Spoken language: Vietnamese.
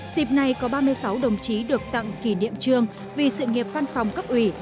dịp này có ba mươi sáu đồng chí được tặng kỷ niệm trương vì sự nghiệp văn phòng cấp ủy